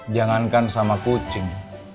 jangankan sama kucing